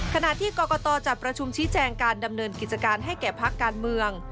ขณะที่กรกตจัดประชุมชี้แจงการดำเนินกิจการให้แก่พักการเมือง